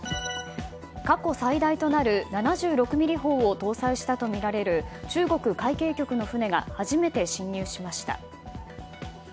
過去最大となる７６ｍｍ砲を搭載したとみられる中国海警局の船が初めて侵入しました。